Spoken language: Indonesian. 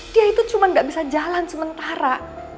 dia itu cuma nggak bisa jalan sementara